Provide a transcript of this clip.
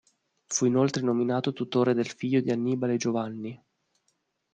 Fu inoltre nominato tutore del figlio di Annibale Giovanni.